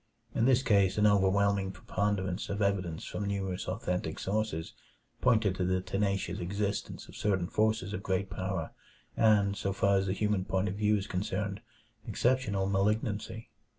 In this case an overwhelming preponderance of evidence from numerous authentic sources pointed to the tenacious existence of certain forces of great power and, so far as the human point of view is concerned, exceptional malignancy.